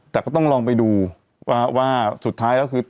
แต่ก็ต้องลองไปดูว่าสุดท้ายแล้วคือ